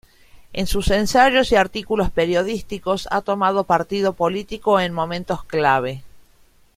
En sus ensayos y artículos periodísticos ha tomado partido político en momentos clave.